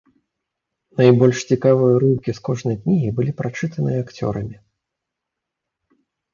Найбольш цікавыя ўрыўкі з кожнай кнігі былі прачытаныя акцёрамі.